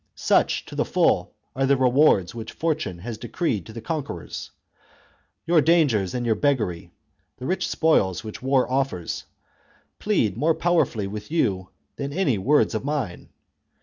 Such, to the full, are the rewards which fortune has decreed to the conquerors. Your dangers and your beggary, the rich spoils which war offers, plead more powerfully with you than any words of mine.